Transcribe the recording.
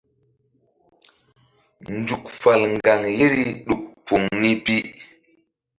Nzuk fal ŋgaŋ yeri ɗuk poŋ ni pi.